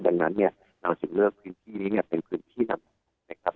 ดังนั้นเนี่ยเราจึงเลือกพื้นที่นี้เนี่ยเป็นพื้นที่นำนะครับ